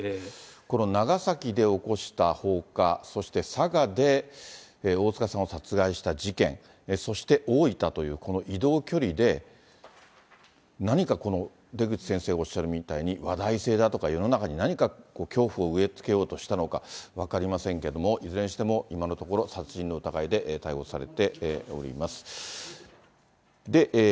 この長崎で起こした放火、そして佐賀で大塚さんを殺害した事件、そして大分というこの移動距離で、何か出口先生おっしゃるみたいに、話題性だとか世の中に何か恐怖を植え付けようとしたのか分かりませんけれども、いずれにしても今のところ殺人の疑いで逮捕されております。